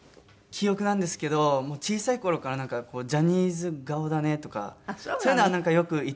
記憶なんですけど小さい頃から「ジャニーズ顔だね」とかそういうのはなんかよく言ってもらってて。